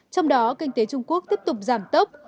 trong đó kinh tế trung quốc tiếp tục giảm tốc